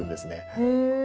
へえ。